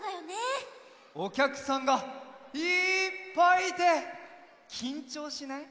おきゃくさんがいっぱいいてきんちょうしない？